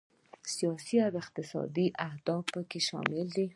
سیاسي او اقتصادي اهداف پکې شامل دي.